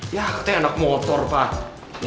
ya katanya anak motor pak